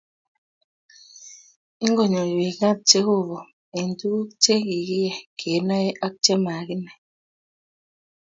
Ngpnyoiwech kaat Jeovah eng tukuk che kikiyai kenae ak che makinai